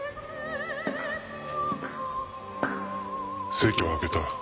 席は空けた。